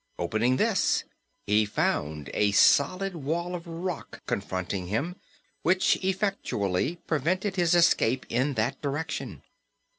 Opening this, he found a solid wall of rock confronting him, which effectually prevented his escape in that direction.